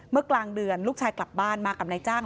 เมื่อกลางเดือนลูกชายกลับบ้านมากำไรจ้าง